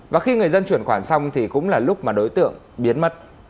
và khi người dân chuyển khoản xong thì cũng là lúc mà đối tượng biến mất